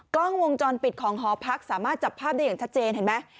กล้องวงจรปิดของหอพักสามารถจับภาพได้อย่างชัดเจนเห็นไหม